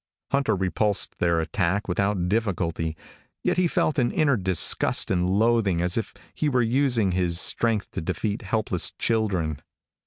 Hunter repulsed their attack without difficulty. Yet he felt an inner disgust and loathing as if he were using his strength to defeat helpless children.